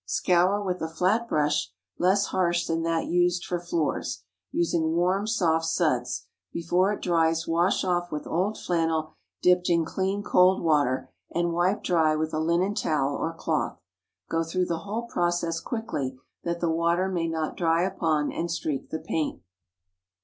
Scour with a flat brush, less harsh than that used for floors, using warm soft suds; before it dries wash off with old flannel dipped in clean cold water, and wipe dry with a linen towel or cloth. Go through the whole process quickly, that the water may not dry upon and streak the paint.